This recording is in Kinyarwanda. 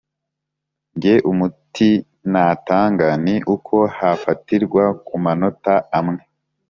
Nge umuti natanga ni uko hafatirwa ku manota amwe,